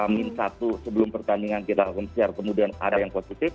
min satu sebelum pertandingan kita kemudian ada yang positif